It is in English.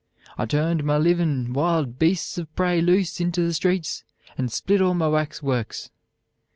I turned my livin' wild beasts of Pray loose into the streets, and split all my wax works.